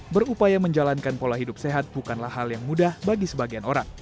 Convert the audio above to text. berupaya menjalankan pola hidup sehat bukanlah hal yang mudah bagi sebagian orang